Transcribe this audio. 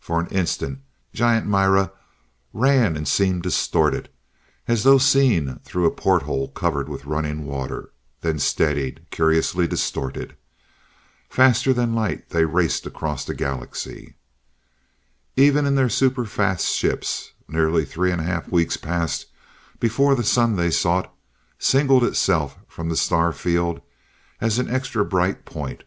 For an instant, giant Mira ran and seemed distorted, as though seen through a porthole covered with running water, then steadied, curiously distorted. Faster than light they raced across the galaxy. Even in their super fast ships, nearly three and a half weeks passed before the sun they sought, singled itself from the star field as an extra bright point.